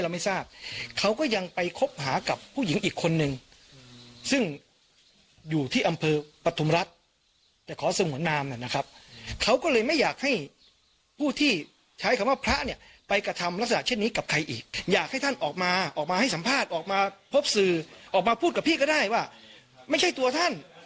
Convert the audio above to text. มาพูดกับพี่ก็ได้ว่าไม่ใช่ตัวท่าน